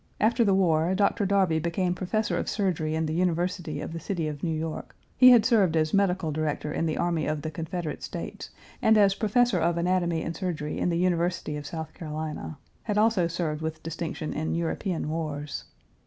After the war, Dr. Darby became professor of Surgery in the University of the City of New York; he had served as Medical Director in the Army of the Confederate States and as Professor of Anatomy and Surgery in the University of South Carolina; had also served with distinction in European wars.